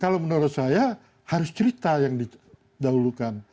kalau menurut saya harus cerita yang didahulukan